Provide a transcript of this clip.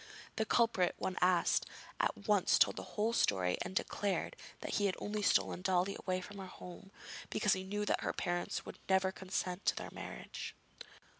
The culprit, when asked, at once told the whole story and declared that he had only stolen Dolly away from her home because he knew that her parents would never consent to their marriage.